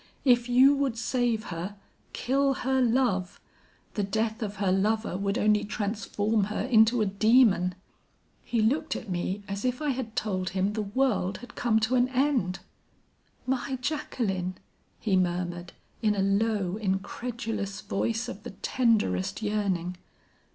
If you would save her, kill her love; the death of her lover would only transform her into a demon.' "He looked at me as if I had told him the world had come to an end. 'My Jacqueline!' he murmured in a low, incredulous voice of the tenderest yearning.